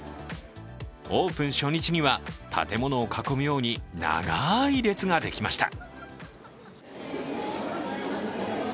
オープン初日には建物を囲むように長い列ができました。